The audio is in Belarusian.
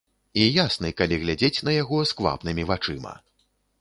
І ясны, калі глядзець на яго сквапнымі вачыма.